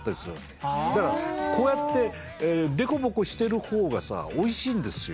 だからこうやって凸凹してるほうがさおいしいんですよ